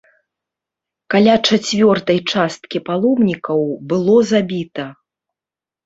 Каля чацвёртай часткі паломнікаў было забіта.